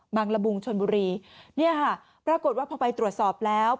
ละมุงชนบุรีเนี่ยค่ะปรากฏว่าพอไปตรวจสอบแล้ว